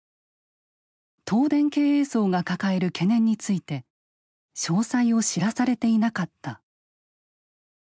東電経営層が抱える懸念について詳細を知らされていなかった。